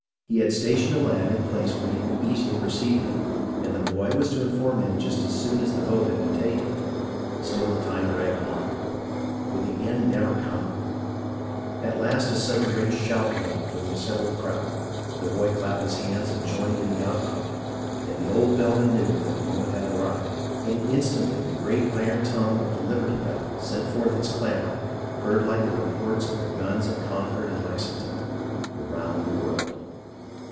He had stationed a lad in a place where he could easily perceive him, and the boy was to inform him just as soon as the vote had been taken. Still the time dragged on. Would the end never come .'' At last a sudden great shout went up from the assem bled crowd, the boy clapped his hands and joined in the outcry, and the old bellman knew the moment had arrived, and instantly the great iron tongue of the liberty bell sent forth its clamour, heard like the reports of the guns at Concord and Lexington " around the world."